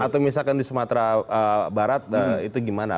atau misalkan di sumatera barat itu gimana